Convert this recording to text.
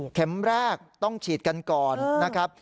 แรกต้องฉีดกันก่อนนะครับ